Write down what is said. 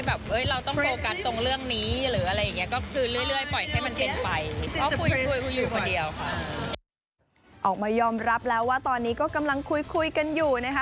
ออกมายอมรับแล้วว่าตอนนี้ก็กำลังคุยคุยกันอยู่นะคะ